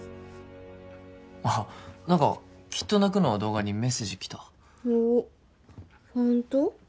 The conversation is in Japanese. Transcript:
あっ何か「きっと泣く」の動画にメッセージ来たおっファンと？